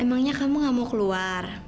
emangnya kamu gak mau keluar